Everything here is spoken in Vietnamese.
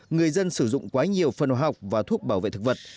người dân sử dụng quá nhiều phần hóa học và thuốc bảo vệ thực vật